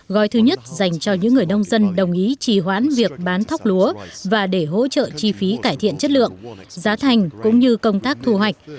gói thứ nhất dành cho những người nông dân đồng ý trì hoãn việc bán thóc lúa và để hỗ trợ chi phí cải thiện chất lượng giá thành cũng như công tác thu hoạch